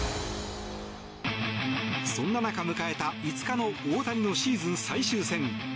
そんな中迎えた５日の大谷のシーズン最終戦。